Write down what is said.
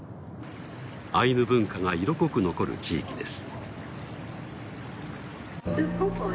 アイヌ文化が色濃く残る地域です。